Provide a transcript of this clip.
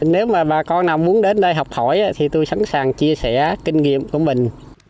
nếu mà bà con nào muốn đến đây học hỏi thì tôi sẵn sàng chia sẻ kinh nghiệm của mình